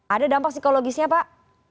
ada dampak psikologisnya pak